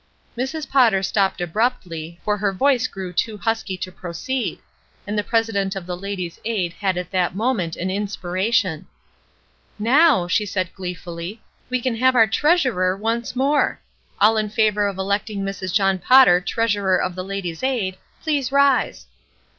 Mrs. Potter stopped abruptly, for her voice grew too husky to proceed, and the president of the Ladies' Aid had at that moment an inspira tion. ''Now,'' she said gleefully, ''we can have our treasurer once more. All in favor of electing Mrs. John Potter treasurer of the Ladies' Aid, please rise."